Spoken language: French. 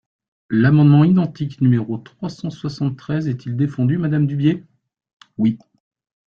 » L’amendement identique numéro trois cent soixante-treize est-il défendu, madame Dubié ? Oui.